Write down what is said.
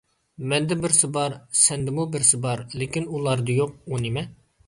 مەندە بىرسى بار، سەندىمۇ بىرسى بار، لېكىن ئۇلاردا يوق. ئۇ نېمە؟